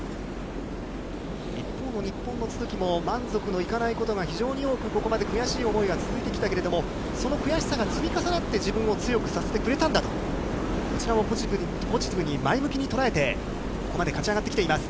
一方の日本の都筑も満足のいかないことが非常に多く、ここまで悔しい思いが続いてきたけれども、その悔しさが積み重なって自分を強くさせてくれたんだと、こちらもポジティブに前向きに捉えて、ここまで勝ち上がってきています。